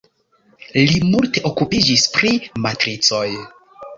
Li multe okupiĝis pri matricoj.